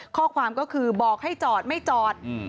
ข้อความก็คือบอกให้จอดไม่จอด